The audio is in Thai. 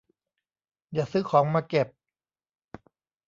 อย่าซื้อของมาเก็บ